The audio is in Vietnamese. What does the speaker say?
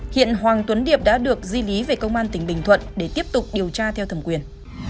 hiện hoàng tuấn điệp đã được di lý về công an tỉnh bình thuận để tiếp tục điều tra theo thẩm quyền